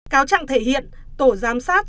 cáo chặn thể hiện tổ giám sát